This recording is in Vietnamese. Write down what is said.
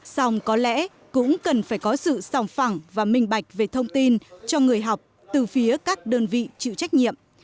xong có lẽ cũng cần phải có sự sòng phẳng và minh bạch về thông tin cho người học từ phía các đơn vị chịu trách nhiệm